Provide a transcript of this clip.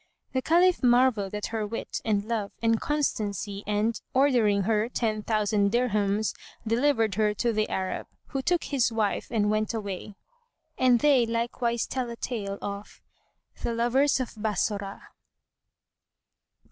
The Caliph marvelled at her wit and love and constancy and, ordering her ten thousand dirhams, delivered her to the Arab, who took his wife and went away.[FN#150] And they likewise tell a tale of THE LOVERS OF BASSORAH.